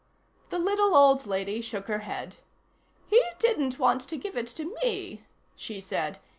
The little old lady shook her head. "He didn't want to give it to me," she said.